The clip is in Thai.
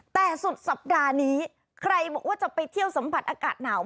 แต่สุดสัปดาห์นี้ใครบอกว่าจะไปเที่ยวสัมผัสอากาศหนาว